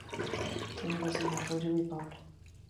Tiene dos hijos: Rodrigo y Paula.